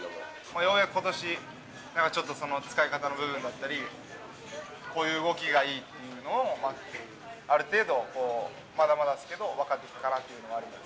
ようやくことし、なんか使い方の部分だったり、こういう動きがいいっていうのも、ある程度、まだまだですけど、分かってきたかなというのはあります。